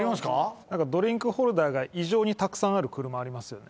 ドリンクホルダーが異常にたくさんある車ありますよね